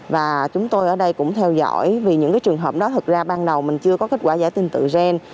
và chúng tôi ở đây cũng theo dõi vì những cái trường hợp đó thật ra ban đầu mình chưa có kết quả giải trình tự gen